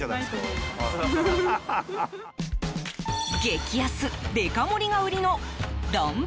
激安・デカ盛りが売りのどん